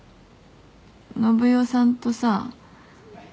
信代さんとさ。